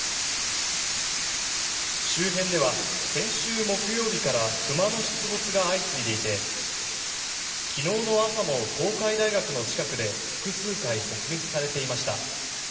周辺では先週木曜日から熊の出没が相次いでいて昨日の朝も東海大学の近くで複数回目撃されていました。